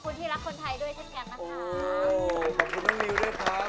โอ้ขอบคุณน้องนิวด้วยครับ